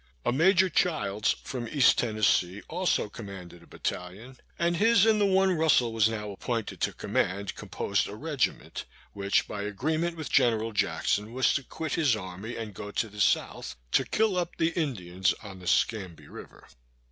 A Major Childs, from East Tennessee, also commanded a battalion, and his and the one Russel was now appointed to command, composed a regiment, which, by agreement with General Jackson, was to quit his army and go to the south, to kill up the Indians on the Scamby river.